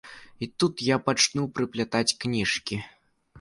І тут я пачну прыплятаць кніжкі.